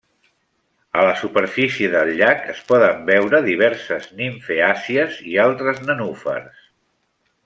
A la superfície del llac es poden veure diverses nimfeàcies i altres nenúfars.